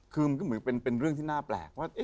คือมันก็เหมือนเป็นเรื่องที่น่าแปลกว่า